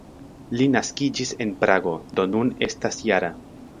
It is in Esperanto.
Li naskiĝis en Prago, do nun estas -jara.